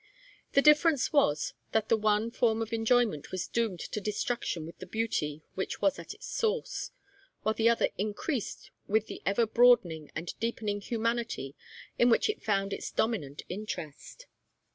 The difference was, that the one form of enjoyment was doomed to destruction with the beauty which was its source, while the other increased with the ever broadening and deepening humanity in which it found its dominant interest.